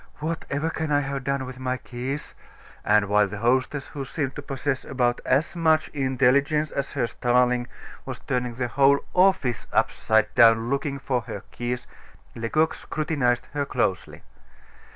Whatever can I have done with my keys?" And while the hostess, who seemed to possess about as much intelligence as her starling, was turning the whole office upside down looking for her keys, Lecoq scrutinized her closely.